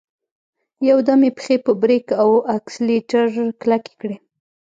يودم يې پښې په بريک او اکسلېټر کلکې کړې.